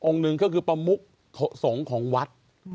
หนึ่งก็คือประมุกสงฆ์ของวัด